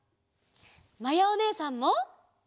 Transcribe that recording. まやおねえさんも！